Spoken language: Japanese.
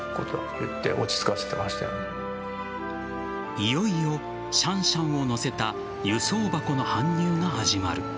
いよいよシャンシャンを乗せた輸送箱の搬入が始まる。